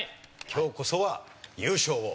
今日こそは優勝を。